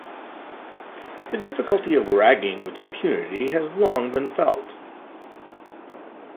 The difficulty of ragging with impunity has long been felt.